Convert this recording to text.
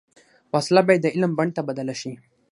وسله باید د علم بڼ ته بدله شي